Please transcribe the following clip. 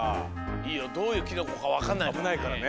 いいよどういうキノコかわかんないからね。